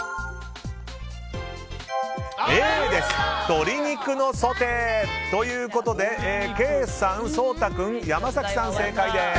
鶏肉のソテー。ということでケイさん、颯太君、山崎さん正解です。